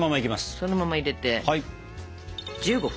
そのまま入れて１５分。